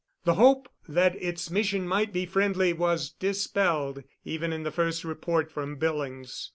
The hope that its mission might be friendly was dispelled even in the first report from Billings.